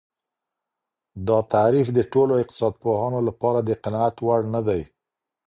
دا تعريف د ټولو اقتصاد پوهانو لپاره د قناعت وړ نه دی.